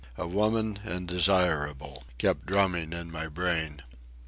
A woman and desirable kept drumming in my brain.